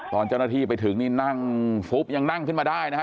ตอนเจ้าหน้าที่ไปถึงนี่นั่งฟุบยังนั่งขึ้นมาได้นะฮะ